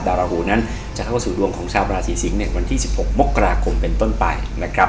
ราหูนั้นจะเข้าสู่ดวงของชาวราศีสิงศ์ในวันที่๑๖มกราคมเป็นต้นไปนะครับ